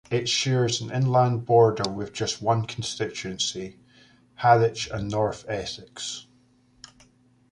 It shares an inland border with just one constituency - Harwich and North Essex.